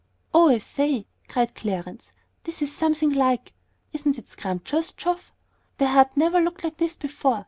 "Oh, I say," cried Clarence, "this is something like! Isn't it scrumptious, Geoff? The hut never looked like this before.